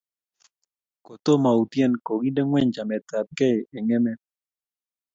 Kotomoutye kokinde ngweny chametabkei eng emet